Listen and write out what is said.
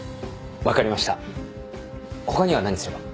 分かりました他には何すれば。